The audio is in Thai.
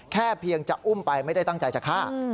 แค่เพียงจะอุ้มไปไม่ได้ตั้งใจจะฆ่า